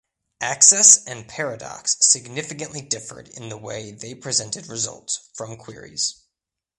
Access and Paradox significantly differed in the way they presented results from queries.